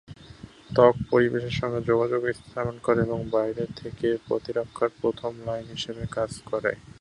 ত্বক পরিবেশের সঙ্গে সংযোগ স্থাপন করে এবং বাইরের থেকে প্রতিরক্ষার প্রথম লাইন হিসাবে কাজ করে।